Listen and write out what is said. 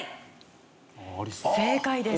正解です。